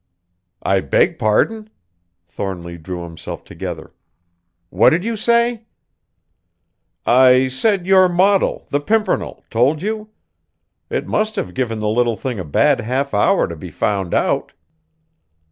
"I beg pardon?" Thornly drew himself together; "what did you say?" "I said, your model, the Pimpernel, told you? It must have given the little thing a bad half hour to be found out."